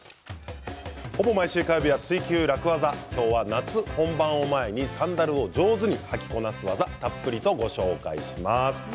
ほぼ毎週火曜日は「ツイＱ楽ワザ」今日は夏本番を前にサンダルを上手に履きこなす技たっぷりとご紹介します。